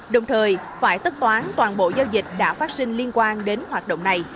đồng thời phải tất toán toàn bộ giao dịch đã phát sinh liên quan đến hoạt động này